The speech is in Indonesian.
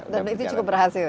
dan itu cukup berhasil ya